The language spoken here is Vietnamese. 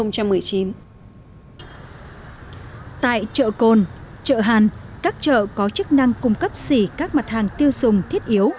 tại chợ cồn chợ hàn các chợ có chức năng cung cấp xỉ các mặt hàng tiêu dùng thiết yếu